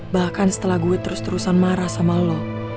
bahkan setelah gue terus terusan marah sama lo